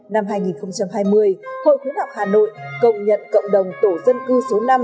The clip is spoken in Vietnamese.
năm hai nghìn hai mươi hội khu học hà nội cộng nhận cộng đồng tổ dân cư số năm